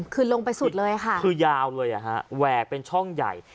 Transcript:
คือยาวเลยแหวกเป็นช่องใหญ่